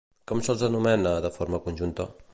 Com se'ls anomena de forma conjunta?